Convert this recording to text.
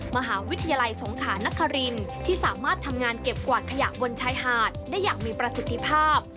มหาวิทยาลัยสงขานครินที่สามารถทำงานเก็บกวาดขยะบนชายหาดได้อย่างมีประสิทธิภาพ